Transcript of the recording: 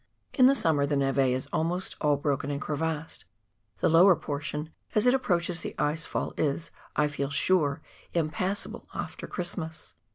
In the summer the neve is almost all broken and crevassed, the lower portion — as it approaches the ice fall — is, I feel sure, impassable after Christmas.